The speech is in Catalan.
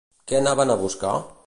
Què anaven a buscar?